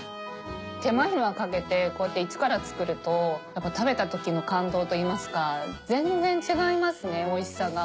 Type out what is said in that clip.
手間暇かけてこうやってイチから作るとやっぱ食べた時の感動といいますか全然違いますねおいしさが。